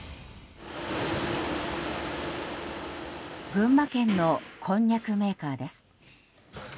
群馬県のこんにゃくメーカーです。